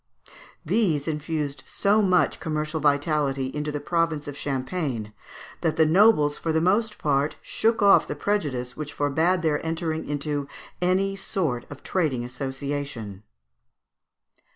These infused so much commercial vitality into the province of Champagne, that the nobles for the most part shook off the prejudice which forbad their entering into any sort of trading association.